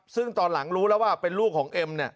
ซึ่งตอนหลังรู้แล้วว่าเป็นลูกของเอ็มเนี่ย